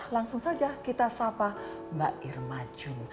langsung saja kita sapa mbak irma jun